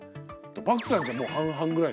バクさんちはもう半々ぐらい。